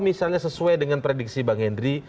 misalnya sesuai dengan prediksi bang henry